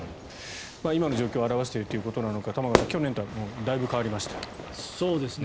今の状況を表しているということなのか玉川さん、去年とはだいぶ変わりました。